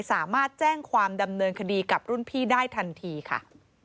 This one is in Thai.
สามารถแจ้งความดำเนินคดีกับรุ่นพี่ได้ทันทีค่ะ